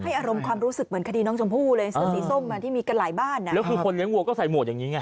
อารมณ์ความรู้สึกเหมือนคดีน้องชมพู่เลยเสื้อสีส้มอ่ะที่มีกันหลายบ้านอ่ะแล้วคือคนเลี้ยวัวก็ใส่หมวดอย่างนี้ไง